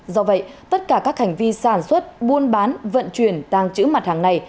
do vậy tất cả các hành vi sản xuất buôn bán vận chuyển tàng trữ mặt hàng này